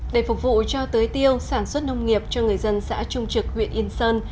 để phục vụ cho tới tiêu sản xuất nông nghiệp cho người dân xã trung trực huyện yên sơn